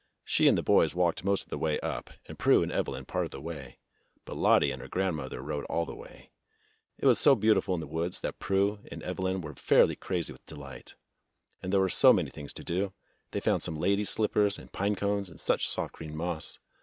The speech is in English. She and the boys walked most of the way up, and Prue and Evelyn part of the way. But Lottie and her grandmother rode all the way. It was so beautiful in the woods that Prue and Eve A SAFE AND SANE FOURTH OF JULY 63 ^jm were fairly crazy with delight. And there were so many things to do. They found some ladies' slippers and pine cones and such soft green moss.